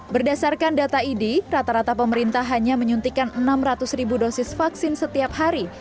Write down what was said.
berdasarkan data idi rata rata pemerintah hanya menyuntikan enam ratus ribu dosis vaksin setiap hari